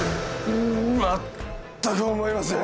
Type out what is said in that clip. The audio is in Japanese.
全く思いません。